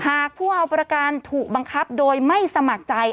หากผู้เอาประกันถูกบังคับโดยไม่สมัครใจ